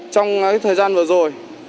trong thời gian vừa rồi